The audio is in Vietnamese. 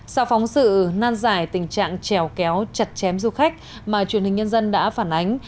sau phóng sự nan giải tình trạng trèo kéo chặt chém du khách mà truyền hình nhân dân đã phản ánh